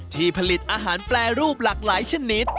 ที่ผลิตอาหารแปรรูปหลากหลายชนิด